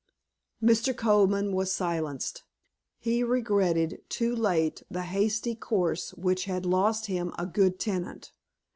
Mr. Colman was silenced. He regretted, too late, the hasty course which had lost him a good tenant.